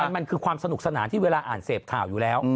มันคือความสนุกสนานที่เวลาอ่านเสพข่าวอยู่แล้ว